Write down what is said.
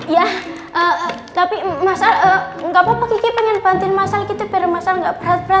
ya tapi mas al gak apa apa kiki pengen bantuin mas al gitu biar mas al gak berat berat